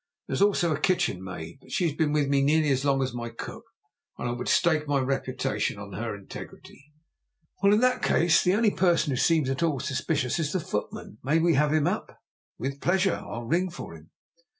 There is also a kitchen maid; but she has been with me nearly as long as my cook, and I would stake my reputation on her integrity." "Well, in that case, the only person who seems at all suspicious is the footman. May we have him up?" "With pleasure. I'll ring for him."